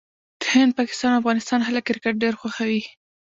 د هند، پاکستان او افغانستان خلک کرکټ ډېر خوښوي.